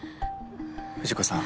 藤子さん。